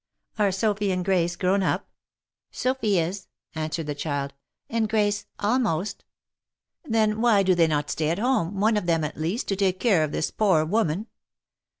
" Are Sophy and Grace grown up ?"" Sophy is," answered the child, " and Grace, almost." " Then why do they not stay at home, one of them at least, to take care of this poor woman